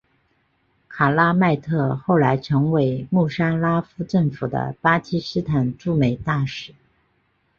卡拉麦特后来成为穆沙拉夫政府的巴基斯坦驻美大使。